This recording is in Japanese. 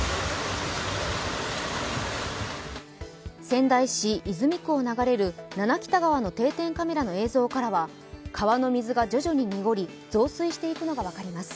仙台市泉区を流れる七北田川の定点カメラの映像からは川の水が徐々に濁り増水していくのが分かります。